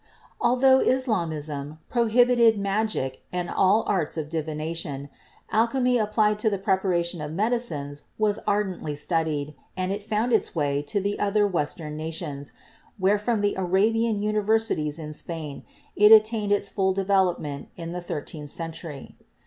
Altho Islamism prohibited magic and all arts of divi nation, alchemy applied to the preparation of medicines was ardently studied and it found its way to the other Western nations, where from the Arabian universities in Spain it attained its full development in the thirteenth century.